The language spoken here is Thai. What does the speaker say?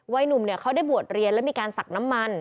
หนุ่มเนี่ยเขาได้บวชเรียนแล้วมีการสักน้ำมัน